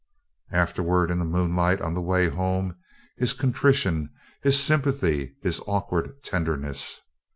Afterward in the moonlight on the way home his contrition, his sympathy, his awkward tenderness.